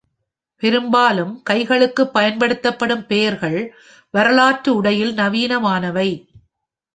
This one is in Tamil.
பெரும்பாலும் கைகளுக்குப் பயன்படுத்தப்படும் பெயர்கள் வரலாற்று உடையில் நவீனமானவை.